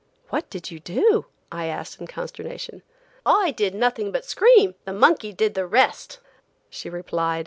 "What did you do?" I asked in consternation. "I did nothing but scream; the monkey did the rest!" she replied.